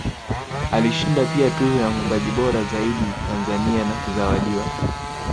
Alishinda pia Tuzo ya Mwimbaji bora zaidi Tanzania na kuzawadiwa